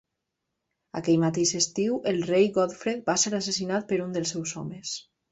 Aquell mateix estiu, el rei Godfred va ser assassinat per un dels seus homes.